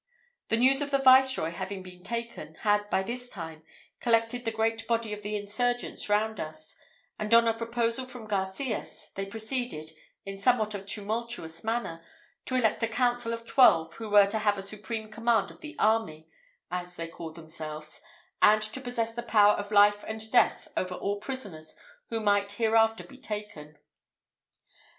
The news of the Viceroy having been taken, had by this time collected the great body of the insurgents round us; and on a proposal from Garcias, they proceeded, in somewhat a tumultuous manner, to elect a council of twelve, who were to have a supreme command of the army, as they called themselves, and to possess the power of life and death over all prisoners who might hereafter be taken.